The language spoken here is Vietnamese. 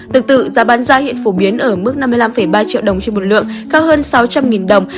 tương tự giá bán ra hiện phổ biến ở mức năm mươi năm ba triệu đồng trên một lượng cao hơn sáu trăm linh đồng